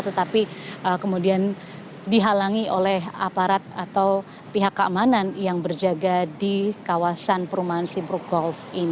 tetapi kemudian dihalangi oleh aparat atau pihak keamanan yang berjaga di kawasan perumahan simprukol